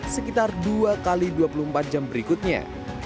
sekitar dua x dua puluh empat jam berikutnya